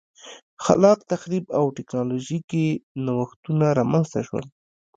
خلاق تخریب او ټکنالوژیکي نوښتونه رامنځته نه شول